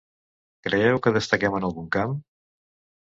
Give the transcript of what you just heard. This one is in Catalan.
Creieu que destaquem en algun camp?